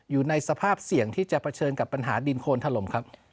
อยู่ในสภาพเสี่ยงที่จะเผชิญกับปัญหาดินโคนถล่มครับ